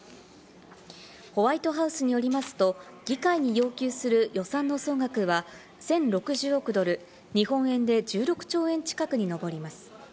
ホワイトハウスによりますと、議会に要求する予算の総額は１０６０億ドル、日本円で１６兆円近くにのぼります。